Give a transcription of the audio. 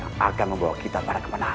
yang akan membawa kita pada kemana